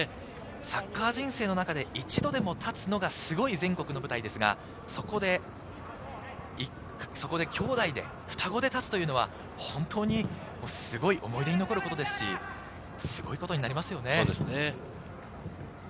サッカー人生の中で一度でも立つのがすごい全国の舞台ですが、そこで兄弟で双子で立つというのは本当にすごい思い出に残ることですし、すごいことですね。